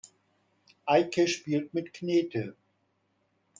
Eike spielt mit Knete.